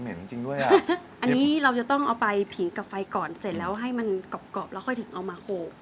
จริงด้วยอ่ะอันนี้เราจะต้องเอาไปผิงกับไฟก่อนเสร็จแล้วให้มันกรอบแล้วค่อยถึงเอามาโหก